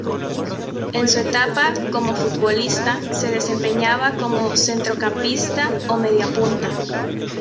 En su etapa como futbolista, se desempeñaba como centrocampista o mediapunta.